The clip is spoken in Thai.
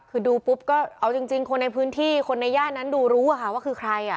คือดูปุ๊บก็เอาจริงคนในพื้นที่คนในย่านนั้นดูรู้ว่าคือใคร